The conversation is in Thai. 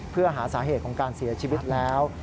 เพื่อหาสาเหตุของการเสียชีวิตแล้ว